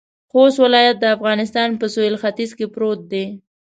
خوست ولایت د افغانستان په سویل ختيځ کې پروت دی.